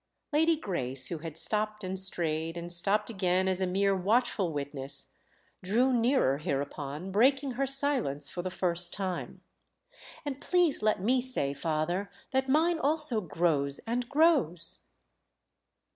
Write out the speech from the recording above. Lady Grace, who had stopped and strayed and stopped again as a mere watchful witness, drew nearer hereupon, breaking her silence for the first time. "And please let me say, father, that mine also grows and grows."